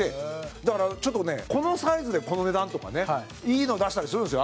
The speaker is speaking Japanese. だから、ちょっとねこのサイズで、この値段？とかねいいの出したりするんですよ